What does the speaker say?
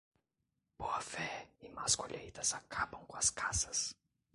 Boa fé e más colheitas acabam com as casas.